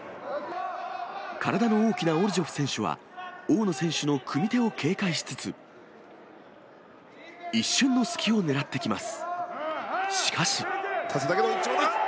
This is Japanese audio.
体の大きなオルジョフ選手は、大野選手の組み手を警戒しつつ、一瞬の隙を狙ってきます。